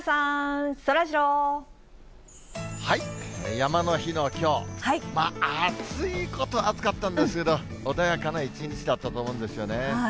山の日のきょう、暑いことは暑かったんですけど、穏やかな一日だったと思うんですよね。